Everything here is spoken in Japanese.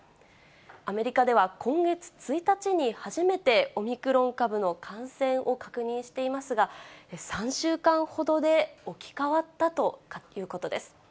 アメリカでは今月１日に、初めてオミクロン株の感染を確認していますが、３週間ほどで置き換わったということです。